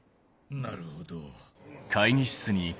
なるほど。